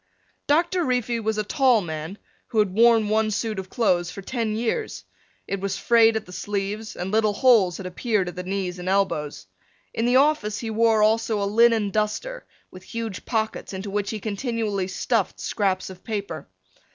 Doctor Reefy was a tall man who had worn one suit of clothes for ten years. It was frayed at the sleeves and little holes had appeared at the knees and elbows. In the office he wore also a linen duster with huge pockets into which he continually stuffed scraps of paper.